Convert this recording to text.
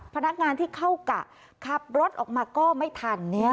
พนักงานที่เข้ากะขับรถออกมาก็ไม่ทัน